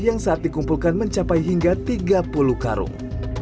yang saat dikumpulkan mencapai hingga tiga puluh karung